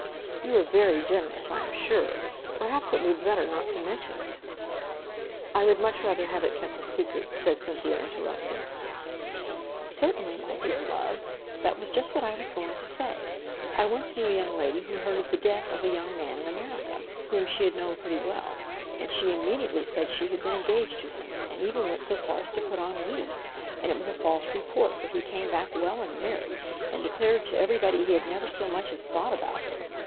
"You are very generous, I am sure. Perhaps it will be better not to mention it." "I would much rather have it kept a secret," said Cynthia, interrupting. "Certainly, my dear love. That was just what I was going to say. I once knew a young lady who heard of the death of a young man in America, whom she had known pretty well; and she immediately said she had been engaged to him, and even went so far as to put on weeds; and it was a false report, for he came back well and merry, and declared to everybody he had never so much as thought about her.